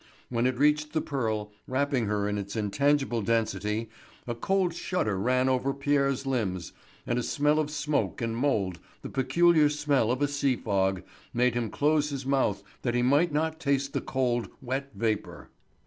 When it reached the Pearl, wrapping her in its intangible density, a cold shudder ran over Pierre's limbs, and a smell of smoke and mould, the peculiar smell of a sea fog, made him close his mouth that he might not taste the cold, wet vapour.